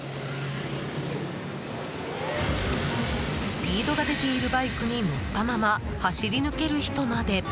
スピードが出ているバイクに乗ったまま走り抜ける人まで。